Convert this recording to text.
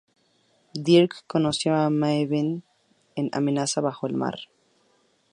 Dirk conoció a Maeve en Amenaza bajo el mar.